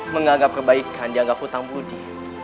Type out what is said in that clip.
menganggap kebaikan jaga hutang budi